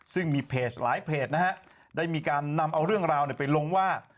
ซึ่งมีเพจหลายเพจนะฮะได้มีการนำเอาเรื่องราวไปลงว่า